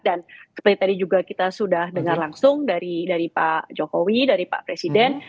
dan seperti tadi juga kita sudah dengar langsung dari pak jokowi dari pak presiden